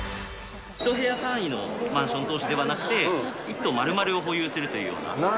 １部屋単位のマンション投資ではなくて、１棟まるまるを保有するというような。